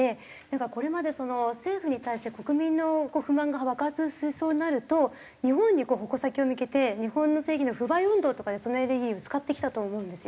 これまで政府に対して国民の不満が爆発しそうになると日本に矛先を向けて日本の製品の不買運動とかでそのエネルギーを使ってきたと思うんですよ。